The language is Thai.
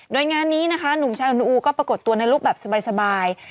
โดยงานนี้นะคะหนุ่มชายอนุอูก็ปรากฏตัวในรูปแบบสบาย